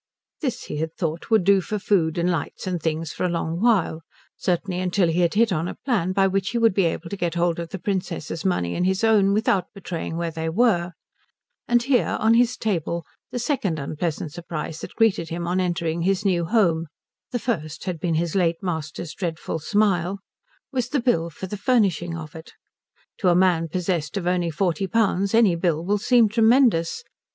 This, he had thought, would do for food and lights and things for a long while, certainly till he had hit on a plan by which he would be able to get hold of the Princess's money and his own without betraying where they were; and here on his table, the second unpleasant surprise that greeted him on entering his new home (the first had been his late master's dreadful smile) was the bill for the furnishing of it. To a man possessed of only forty pounds any bill will seem tremendous.